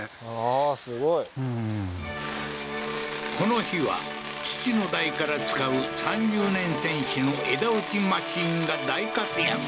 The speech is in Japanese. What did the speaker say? ああーすごいこの日は父の代から使う３０年選手の枝打ちマシンが大活躍